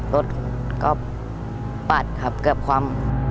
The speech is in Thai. รถก็ปัดครับเกือบคว่ำ